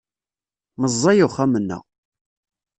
Meẓẓey uxxam-nneɣ.